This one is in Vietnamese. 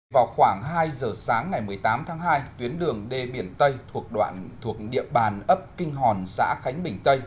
vào khoảng hai giờ sáng ngày một mươi tám tháng hai tuyến đường đê biển tây thuộc địa bàn ấp kinh hòn xã khánh bình tây